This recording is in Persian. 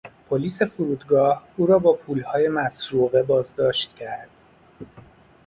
پلیس فرودگاه او را با پولهای مسروقه باز داشت کرد.